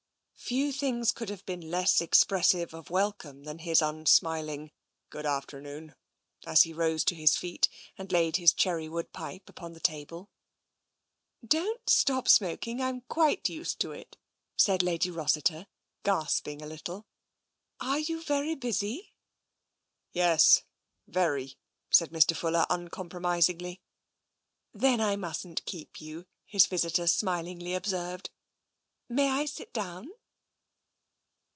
Few things could have been less expressive of wel come than his unsmiling " Good afternoon," as he rose to his feet and laid his cherry wood pipe upon the table. " Don't stop smoking, I'm quite used to it," said TENSION i8i . Lady Rossiter, gasping a little. " Are you very busy?" " Yes, very," said Mr. Fuller uncompromisingly. " Then I mustn't keep you," his visitor smilingly ob served. " May I sit down?